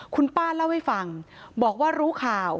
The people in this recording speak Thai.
คุณป้าเล่าให้ฟังบอกว่ารู้ข่าว